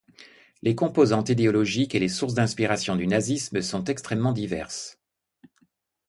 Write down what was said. Les composantes idéologiques et les sources d'inspiration du nazisme sont extrêmement diverses.